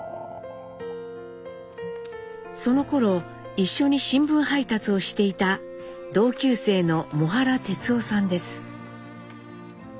そのころ一緒に新聞配達をしていた同級生の母原哲夫さんです。